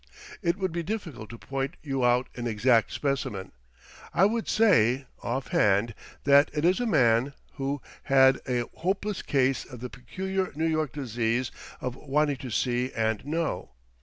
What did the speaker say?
It would be difficult to point you out an exact specimen. I would say, offhand, that it is a man who had a hopeless case of the peculiar New York disease of wanting to see and know.